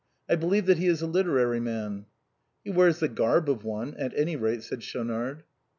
I believe that he is a literary man." " He wears the garb of one, at any rate," said Schaunard.